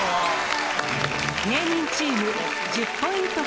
芸人チーム１０ポイント